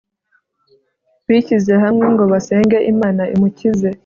bishyize hamwe ngo basenge imana imukize